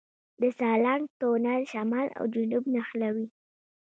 د سالنګ تونل شمال او جنوب نښلوي